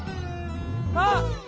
あっ！